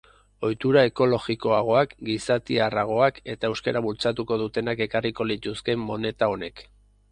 Ohitura ekologikoagoak, gizatiarragoak, eta euskara bultzatuko dutenak ekarriko lituzke moneta honek.